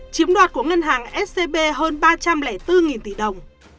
chiếm đoạt của ngân hàng scb hơn ba trăm linh bốn tỷ đồng